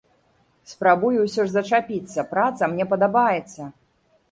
Спрабую, усё ж, зачапіцца, праца мне падабаецца.